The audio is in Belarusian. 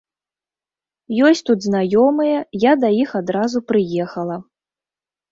Ёсць тут знаёмыя, я да іх адразу прыехала.